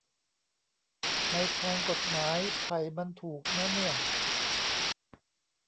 ในทางกฎหมาย ไผ่มันถูกนะเนี่ย